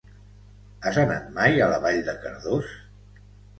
Has anat mai a la Vall de Cardós?